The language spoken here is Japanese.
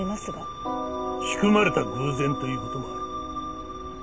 仕組まれた偶然という事もある。